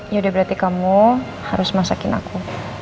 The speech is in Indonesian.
yaudah berarti kamu harus masakin aku